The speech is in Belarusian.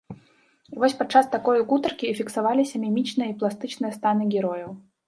І вось падчас такой гутаркі і фіксаваліся мімічныя і пластычныя станы герояў.